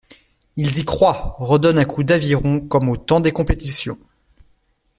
Ils y croient, redonnent un coup d’aviron comme au temps des compétitions.